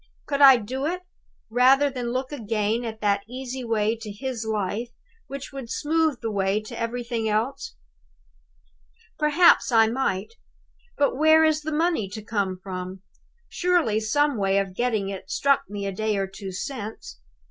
Could I do it, rather than look again at that easy way to his life which would smooth the way to everything else? "Perhaps I might. But where is the money to come from? Surely some way of getting it struck me a day or two since?